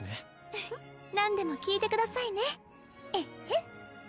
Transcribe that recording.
フフッ何でも聞いてくださいねエッヘン！